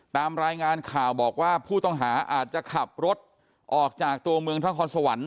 ตามรายงานข่าวบอกว่าผู้ต้องหาอาจจะขับรถออกจากตัวเมืองนครสวรรค์